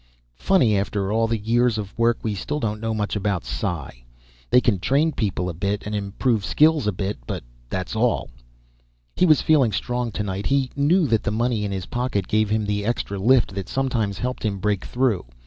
Funny, after all the years of work we still don't know much about psi. They can train people a bit, and improve skills a bit but that's all. He was feeling strong tonight, he knew that the money in his pocket gave him the extra lift that sometimes helped him break through.